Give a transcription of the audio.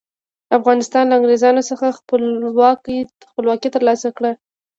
افغانستان له انګریزانو څخه خپلواکي تر لاسه کړه.